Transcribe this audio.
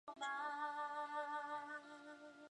因此他认为莫雷尔是看到了蜃景。